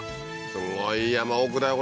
すごい山奥だよ